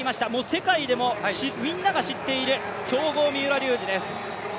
世界でもみんなが知っている強豪三浦龍司です。